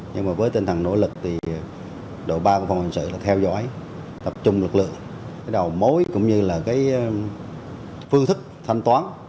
nhưng mà với tinh thần nỗ lực thì đội ba của phòng hình sự là theo dõi tập trung lực lượng cái đầu mối cũng như là cái phương thức thanh toán